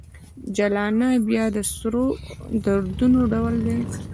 جلانه ! بیا د سرو دردونو ډول ته